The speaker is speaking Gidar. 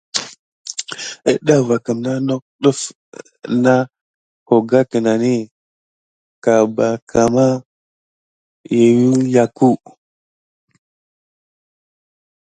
Əɗah va kəmna nok def na hoga kinani kabarkamà meyuhiyaku.